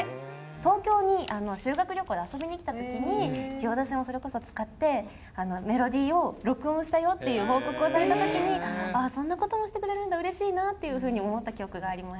東京に修学旅行で遊びに行ったときに、千代田線をそれこそ使って、メロディを録音したよって報告をされたときに、あー、そんなことをしてくれるんだ、うれしいなと思った記憶があります。